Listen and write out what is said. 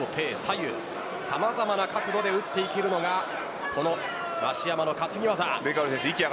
さまざまな角度で打っていけるのが増山の担ぎ技。